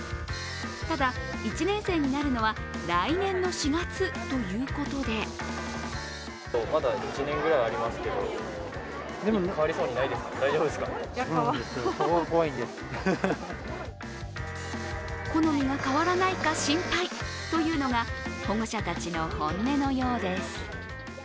ただ、１年生になるのは来年の４月ということで好みが変わらないか心配というのが保護者たちの本音のようです。